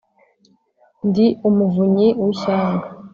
ndi umuvunyi w'ishyanga.